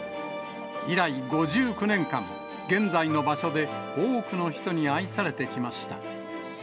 以来５９年間、現在の場所で多くの人に愛されてきました。